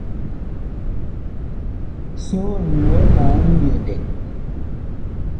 Soon, lowɛ ma mbyɛndɛ.